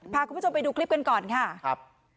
พาคุณผู้ชมไปดูคลิปกันก่อนค่ะครับ